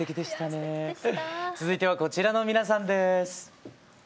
続いてはこちらの皆さんです。